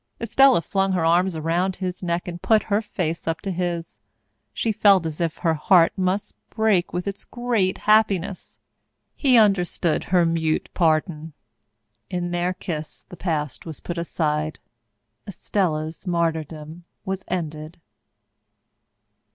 Estella flung her arms around his neck and put her face up to his. She felt as if her heart must break with its great happiness. He understood her mute pardon. In their kiss the past was put aside. Estella's martyrdom was ended.